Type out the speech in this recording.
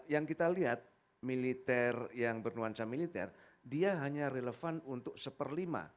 yang kita lihat militer yang bernuansa militer dia hanya relevan untuk satu per lima